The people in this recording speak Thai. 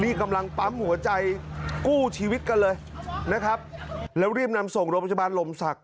นี่กำลังปั๊มหัวใจกู้ชีวิตกันเลยนะครับแล้วรีบนำส่งโรงพยาบาลลมศักดิ